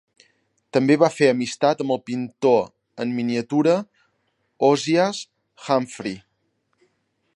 També va fer amistat amb el pintor en miniatura Ozias Humphrey.